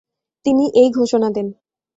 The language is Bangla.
তিনি এই ঘোষণা দেন।